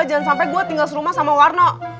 jangan sampai gua tinggal serumah sama warno